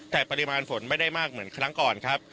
แต่ปริมาณฝนไม่ได้มากเหมือนครั้งก่อนครับ